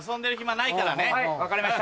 はい分かりました。